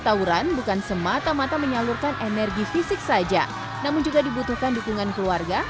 tawuran bukan semata mata menyalurkan energi fisik saja namun juga dibutuhkan dukungan keluarga